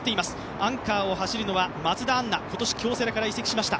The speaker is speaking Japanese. アンカーを走るのは松田杏奈、今年京セラから移籍しました。